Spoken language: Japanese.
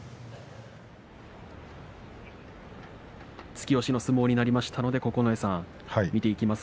突き押しの相撲になりました、九重さん。